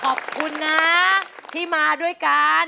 ขอบคุณนะที่มาด้วยกัน